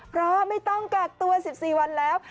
เพราะไม่ต้องกักตัว๑๔วันแล้ว